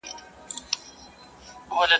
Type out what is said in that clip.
o د خپلي کوټې واوري پر بل اچوي.